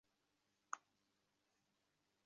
তুমি আমাকে বিশ্বাস করো তো?